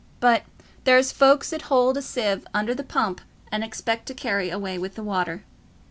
But there's folks 'ud hold a sieve under the pump and expect to carry away the water."